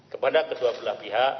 kepada kedua belah pihak